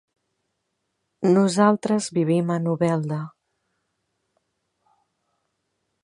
Nosaltres vivim a Novelda.